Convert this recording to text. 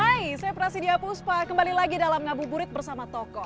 hai saya prasidya puspa kembali lagi dalam ngabuburit bersama toko